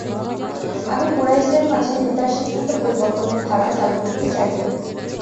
আমি কুরাইশদের মাঝে নেতার সিদ্ধান্ত পরিবর্তনের ধারা চালু করতে চাই না।